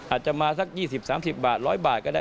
อาจจะมาสัก๒๐๓๐บาท๑๐๐บาทก็ได้